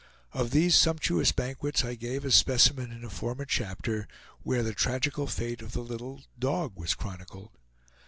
Of these sumptuous banquets I gave a specimen in a former chapter, where the tragical fate of the little dog was chronicled.